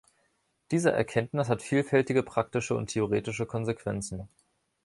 Diese Erkenntnis hat vielfältige praktische und theoretische Konsequenzen.